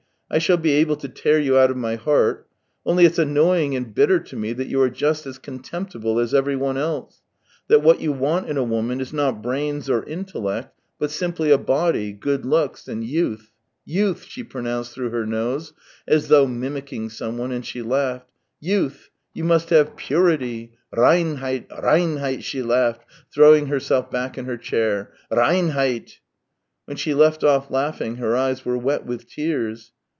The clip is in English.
I shall be able to tear you out of my heart. Only it's annoying and bitter to me that you are just as contemptible as everyone else; that what you want in a woman is not brains or intellect, but simply a body, good looks, and youth. ... Youth !" she pronounced through her nose, as though mimicking someone, and she laughed. " Youth ! You must have purity, reinheit I rcin heit !" she laughed, throwing herself back in her chair. " Reinheit !" When she left off laughing her eyes were wet with tears.